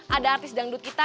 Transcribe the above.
ada artis dangdut kita